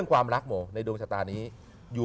ว้าเฮ้ยโมนี่เวทักษณะ